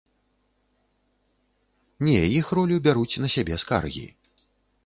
Не, іх ролю бяруць на сябе скаргі.